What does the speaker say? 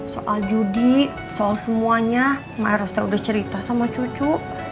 soal judi soal semuanya maeros sudah cerita sama cucu